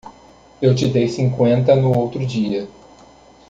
Eu te dei cinquenta no outro dia.